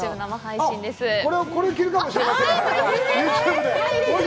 これを着るかもしれませんね。